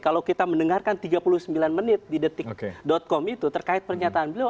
kalau kita mendengarkan tiga puluh sembilan menit di detik com itu terkait pernyataan beliau